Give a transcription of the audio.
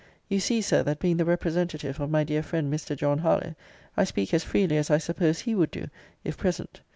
You see, Sir, that being the representative of my dear friend Mr. John Harlowe, I speak as freely as I suppose he would do, if present.